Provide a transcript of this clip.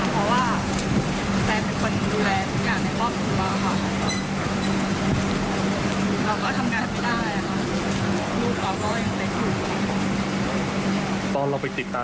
ก็เลยเขาก็พูดว่าร่วมถึงคือแล้วแต่ก็ได้